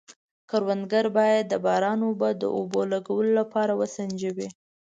کروندګر باید د باران اوبه د اوبو لګولو لپاره وسنجوي.